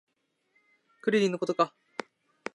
クリリンのことか